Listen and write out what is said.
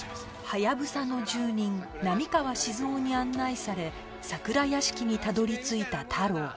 ハヤブサの住人波川志津雄に案内され桜屋敷にたどり着いた太郎